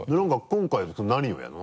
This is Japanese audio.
今回何をやるの？